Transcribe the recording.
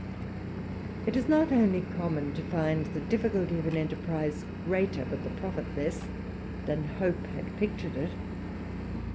It is not only common to find the difficulty of an enterprize greater, but the profit less, than hope had pictured it.